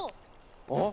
あっ？